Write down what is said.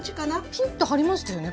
ピンッと張りましたよね